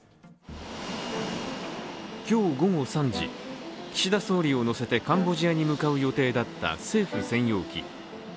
今日午後３時、岸田総理を乗せてカンボジアに向かう予定だった政府専用機。